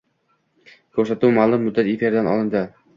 Koʻrsatuv maʼlum muddat efirdan olindi.